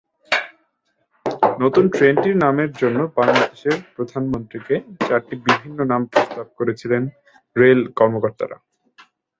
নতুন ট্রেনটির নামের জন্য বাংলাদেশের প্রধানমন্ত্রীকে চারটি ভিন্ন নাম প্রস্তাব করেছিলেন রেল কর্মকর্তারা।